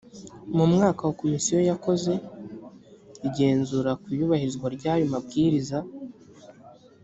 mu mwaka wa komisiyo yakoze igenzura ku iyubahirizwa ry ayo mabwiriza